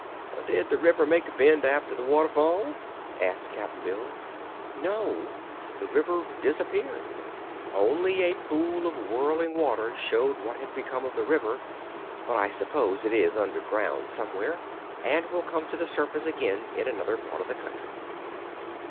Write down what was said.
"Did the river make a bend, after the waterfall?" asked Cap'n Bill. "No, the river disappeared. Only a pool of whirling water showed what had become of the river; but I suppose it is under ground, somewhere, and will come to the surface again in another part of the country."